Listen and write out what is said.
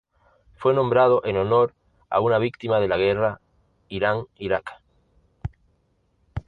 Fue nombrado en honor a una víctima de la guerra Irán-Irak.